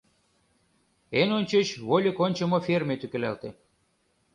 Эн ончыч вольык ончымо ферме тӱкылалте.